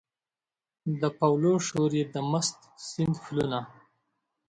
د پاولو شور یې د مست سیند پلونه